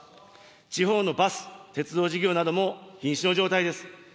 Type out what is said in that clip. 地方のバス、鉄道事業なども、ひん死の状態です。